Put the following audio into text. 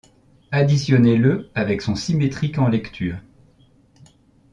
Additionnez-le avec son symétrique en lecture.